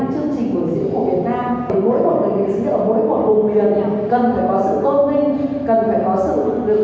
các tác phẩm kịch múa toàn quốc lần đầu tiên